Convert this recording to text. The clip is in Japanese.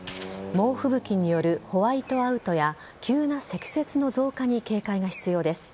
猛吹雪によるホワイトアウトや急な積雪の増加に警戒が必要です。